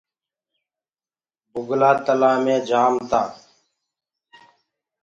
بُگلآ تلآ مي جآم تآ۔